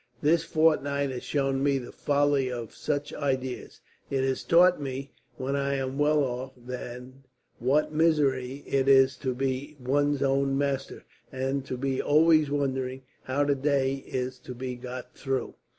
This fortnight has shown me the folly of such ideas. It has taught me when I am well off, and what misery it is to be one's own master, and to be always wondering how the day is to be got through."